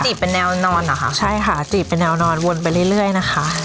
เป็นแนวนอนเหรอคะใช่ค่ะจีบเป็นแนวนอนวนไปเรื่อยนะคะ